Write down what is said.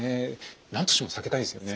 なんとしても避けたいですよね。